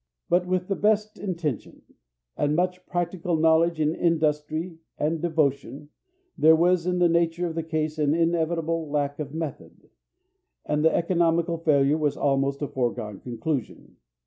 But with the best intention, and much practical knowledge and industry and devotion, there was in the nature of the case an inevitable lack of method, and the economical failure was almost a foregone conclusion.